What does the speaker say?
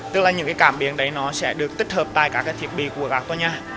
tức là những cái cảm biến đấy nó sẽ được tích hợp tại các thiết bị của các tòa nhà